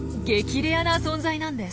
レアな存在なんです。